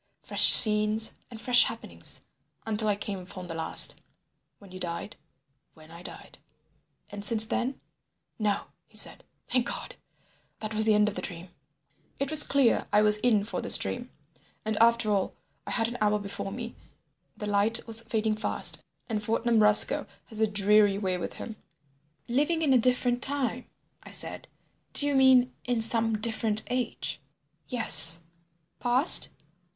Fresh scenes and fresh happenings—until I came upon the last—" "When you died?" "When I died." "And since then—" "No," he said. "Thank God! That was the end of the dream ..." It was clear I was in for this dream. And after all, I had an hour before me, the light was fading fast, and Fortnum Roscoe has a dreary way with him. "Living in a different time," I said: "do you mean in some different age?" "Yes." "Past?"